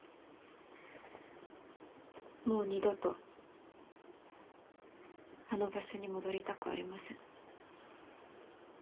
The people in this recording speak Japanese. もう二度とあの場所に戻りたくありません。